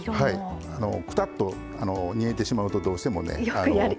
くたっと煮えてしまうとどうしてもね。